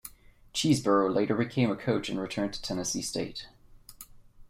Cheeseborough later became a coach and returned to Tennessee State.